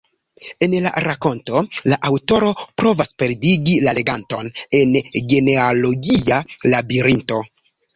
En la rakonto la aŭtoro provas perdigi la leganton en genealogia labirinto.